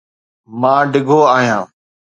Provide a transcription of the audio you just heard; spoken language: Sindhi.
مان ڊگهو آهيان.